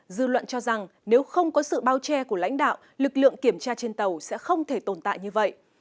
dư luận cho rằng nếu không có sự bao che của lãnh đạo lực lượng kiểm tra trên tàu sẽ không thể tồn tại như vậy